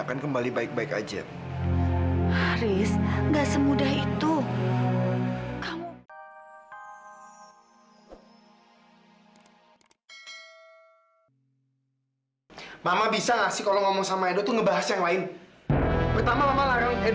sampai jumpa di video selanjutnya